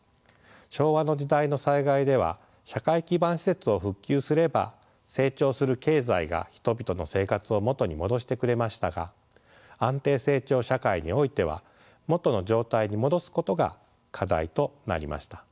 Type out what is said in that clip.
昭和の時代の災害では社会基盤施設を復旧すれば成長する経済が人々の生活を元に戻してくれましたが安定成長社会においては元の状態に戻すことが課題となりました。